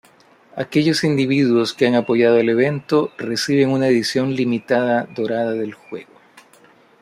Aquellos individuos que han apoyado el evento reciben una edición limitada dorada del juego.